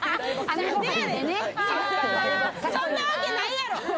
そんなわけないやろ！